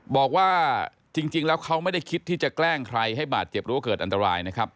บอกว่าจริงแล้วเขาไม่ได้คิดที่จะแกล้งใครให้บาดเจ็บหรือว่าเกิดอันตรายนะครับ